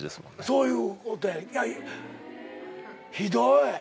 そういうことやいやひどい。